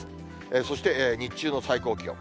そして日中の最高気温。